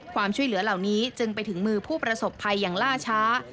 ความช่วยเหลือเหล่านี้จึงไปถึงมือผู้ประสบภัยอย่างล่าช้า